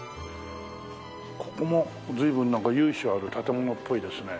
ここも随分なんか由緒ある建物っぽいですね。